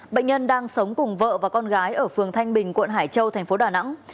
bệnh nhân đang sống cùng vợ và con gái ở phường thanh bình quận hải châu tp đà nẵng